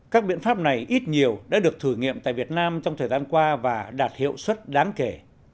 các biện pháp này ít nhiều đã được thử nghiệm tại việt nam trong thời gian qua và đạt hiệu suất đáng kể